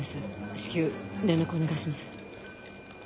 至急連絡お願いします。